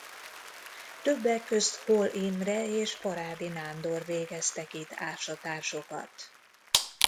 Többek közt Holl Imre és Parádi Nándor végeztek itt ásatásokat.